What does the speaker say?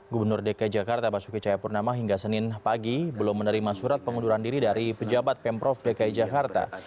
gubernur dki jakarta basuki cahayapurnama hingga senin pagi belum menerima surat pengunduran diri dari pejabat pemprov dki jakarta